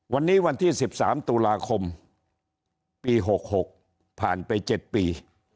วันนี้วันที่๑๓ตุลาคมปี๖๖ผ่านไป๗ปี